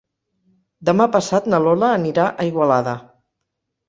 Demà passat na Lola anirà a Igualada.